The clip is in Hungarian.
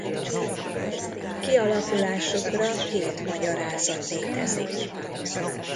Kialakulásukra két magyarázat létezik.